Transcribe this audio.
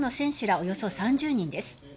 およそ３０人です。